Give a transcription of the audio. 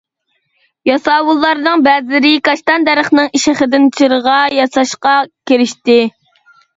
ياساۋۇللارنىڭ بەزىلىرى كاشتان دەرىخىنىڭ شېخىدىن جىرغا ياساشقا كىرىشتى.